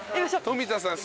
富田さん